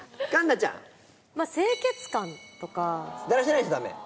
だらしない人ダメ？